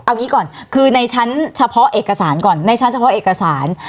เอางี้ก่อนคือในชั้นเฉพาะเอกสารก่อนในชั้นเฉพาะเอกสาร